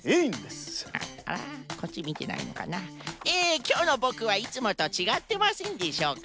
えきょうのボクはいつもとちがってませんでしょうか？